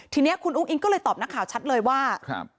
ทีนี้คุณอุ้งอิงก็เลยตอบนักข่าวชัดเลยว่า